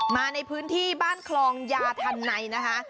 มาในพื้นที่บ้านคลองยาทันในนะคะ